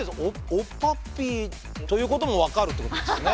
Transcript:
オッパッピーということも分かるってことですね。